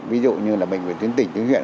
ví dụ như là bệnh viện tuyến tỉnh tuyến huyện